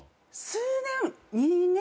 数年。